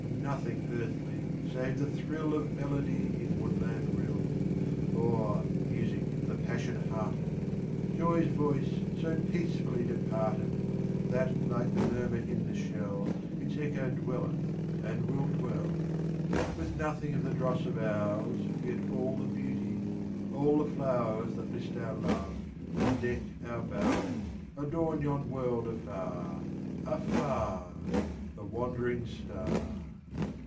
nothing earthly save the thrill Of melody in woodland rill— Or (music of the passion hearted) Joy's voice so peacefully departed That like the murmur in the shell, Its echo dwelleth and will dwell— Oh, nothing of the dross of ours— Yet all the beauty—all the flowers That list our Love, and deck our bowers— Adorn yon world afar, afar— The wandering star.